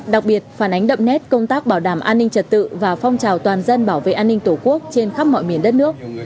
đặc biệt phản ánh đậm nét công tác bảo đảm an ninh trật tự và phong trào toàn dân bảo vệ an ninh tổ quốc trên khắp mọi miền đất nước